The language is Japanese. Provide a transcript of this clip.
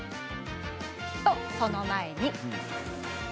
と、その前に。